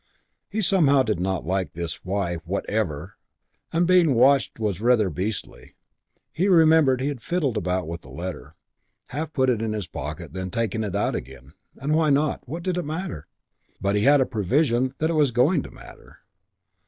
He somehow did not like this. Why "whatever"? And being watched was rather beastly; he remembered he had fiddled about with the letter, half put it in his pocket and then taken it out again. And why not? What did it matter? But he had a prevision that it was going to matter.